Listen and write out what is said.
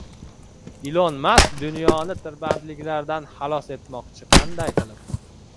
Ilon Mask dunyoni tirbandliklardan xalos etmoqchi. Qanday qilib?..